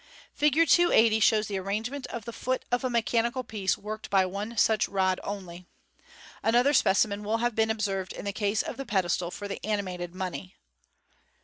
Fig. 280 shows the arrangement of the foot of a mechanical Fig. 280. MODERN MA GIC. 449 piece worked by one such rod only. Another specimen will have been observed in the case of the pedestal for the animated money.